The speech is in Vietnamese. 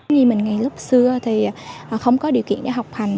như mình ngày lúc xưa thì không có điều kiện để học hành